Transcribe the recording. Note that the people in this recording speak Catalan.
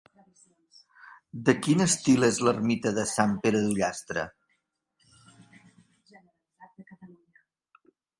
De quin estil és l'ermita de Sant Pere d'Ullastre?